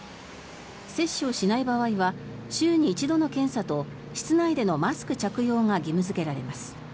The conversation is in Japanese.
接種をしない場合は週に一度の検査と室内でのマスク着用が義務付けられます。